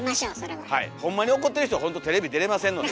はいホンマに怒ってる人はほんとテレビ出れませんので。